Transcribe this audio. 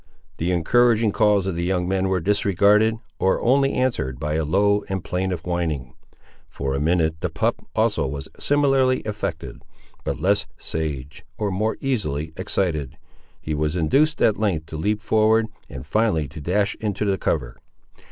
The encouraging calls of the young men were disregarded, or only answered by a low and plaintive whining. For a minute the pup also was similarly affected; but less sage, or more easily excited, he was induced at length to leap forward, and finally to dash into the cover.